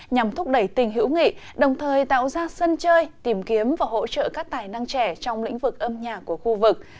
nhằm thúc đẩy tình hữu nghị đồng thời tạo ra sân chơi tìm kiếm và hỗ trợ các tài năng trẻ trong lĩnh vực âm nhạc của khu vực